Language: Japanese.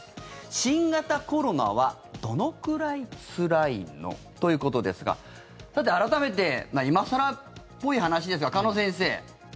新型コロナはどのくらいつらいの？ということですがさて改めて今更っぽい話ですが、鹿野先生